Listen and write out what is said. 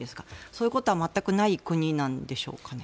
そういうことは全くない国なんでしょうかね。